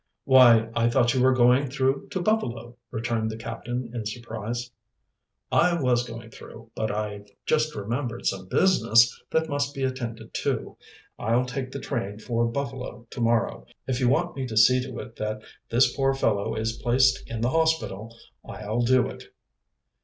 "Why, I thought you were going through to Buffalo," returned the captain in surprise. "I was going through, but I've just remembered some business that must be attended to. I'll take the train for Buffalo to morrow. If you want me to see to it that this poor fellow is placed in the hospital, I'll do it."